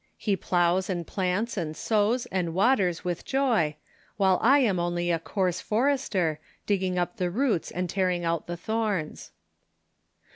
He ploughs and plants and sows and waters with joy, while I am only a coarse for ester, digging up the roots and tearing out the thorns."